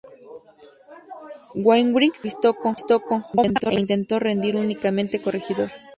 Wainwright se entrevistó con Homma, e intentó rendir únicamente Corregidor.